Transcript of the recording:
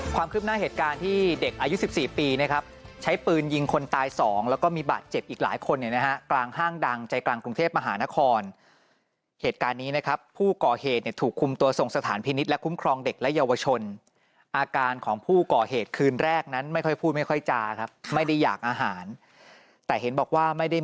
ความคืบหน้าเหตุการณ์ที่เด็กอายุ๑๔ปีนะครับใช้ปืนยิงคนตายสองแล้วก็มีบาดเจ็บอีกหลายคนเนี่ยนะฮะกลางห้างดังใจกลางกรุงเทพมหานครเหตุการณ์นี้นะครับผู้ก่อเหตุเนี่ยถูกคุมตัวส่งสถานพินิษฐ์และคุ้มครองเด็กและเยาวชนอาการของผู้ก่อเหตุคืนแรกนั้นไม่ค่อยพูดไม่ค่อยจาครับไม่ได้อยากอาหารแต่เห็นบอกว่าไม่ได้